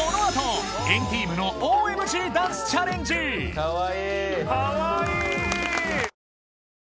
・かわいい！